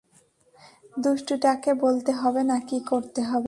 দুষ্টুটাকে বলতে হবে না কী করতে হবে।